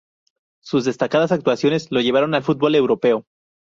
Sus destacadas actuaciones lo llevaron al fútbol europeo.